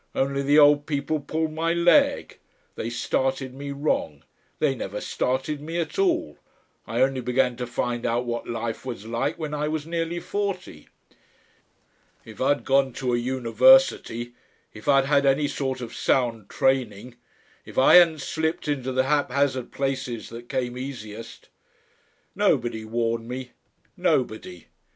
Only the old people pulled my leg. They started me wrong. They never started me at all. I only began to find out what life was like when I was nearly forty. "If I'd gone to a university; if I'd had any sort of sound training, if I hadn't slipped into the haphazard places that came easiest.... "Nobody warned me. Nobody.